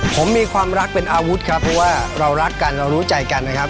ผมมีความรักเป็นอาวุธครับเพราะว่าเรารักกันเรารู้ใจกันนะครับ